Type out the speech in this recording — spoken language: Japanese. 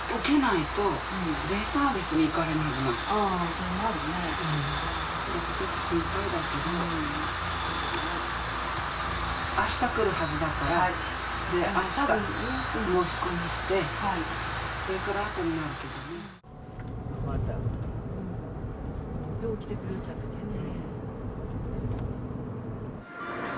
そうなるねちょっと心配だけどそうねあした来るはずだから申し込みしてそれからあとになるけどねよう来てくれちゃったけね